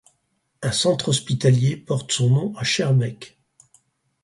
Un centre hospitalier porte son nom à Schaerbeek.